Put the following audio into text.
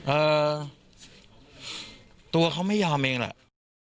เอ่อตัวเขาไม่ยอมเองแหละ